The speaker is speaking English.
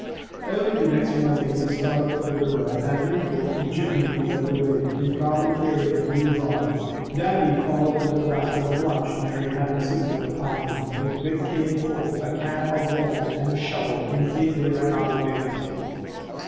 Early the next morning they started for the river. As usual Jimmy led the way. He proudly carried his new rod. Dannie followed with a basket of lunch Mary had insisted on packing, his big cane pole, a can of worms, and a shovel, in case they ran out of bait.